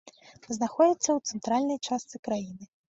Знаходзіцца ў цэнтральнай частцы краіны.